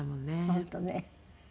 本当ね。